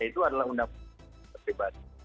itu adalah undang pribadi